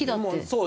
そう。